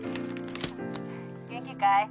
「元気かい？